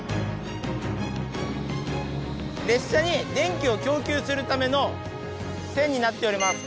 列車に電気を供給するための線になっております。